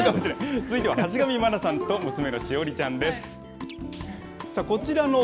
続いては橋上真奈さんと、娘の栞ちゃんです。